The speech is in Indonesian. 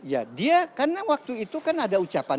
ya dia karena waktu itu kan ada ucapan